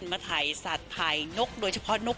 มาถ่ายสัตว์ถ่ายนกโดยเฉพาะนก